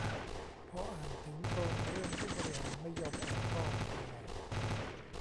พออ่านถึงตรงเรื่องผู้บริหารไม่ยอมออกก็ อ่อออ